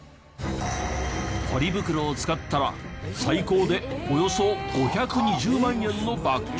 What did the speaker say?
ポリ袋を使ったら最高でおよそ５２０万円の罰金。